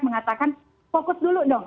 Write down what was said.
mengatakan fokus dulu dong